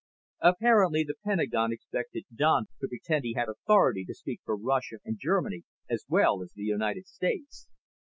Apparently the Pentagon expected Don to pretend he had authority to speak for Russia and Germany as well as the United States.